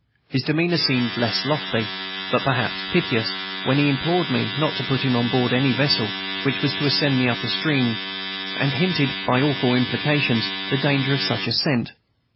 His demeanor seemed less lofty, but rather piteous, when he implored me not to put him on board any vessel which was to ascend the upper stream, and hinted, by awful implications, the danger of such ascent.